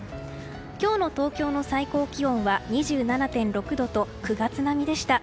今日の東京の最高気温は２７．６度と、９月並みでした。